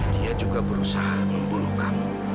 dia juga berusaha membunuh kamu